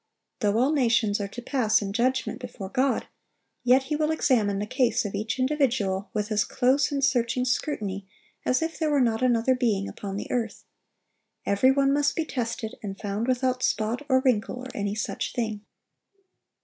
Though all nations are to pass in judgment before God, yet He will examine the case of each individual with as close and searching scrutiny as if there were not another being upon the earth. Every one must be tested, and found without spot or wrinkle or any such thing.